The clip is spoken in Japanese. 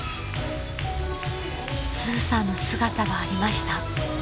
［スーさんの姿がありました］